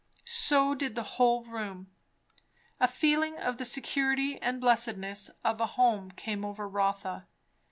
So did the whole room. A feeling of the security and blessedness of a home came over Rotha.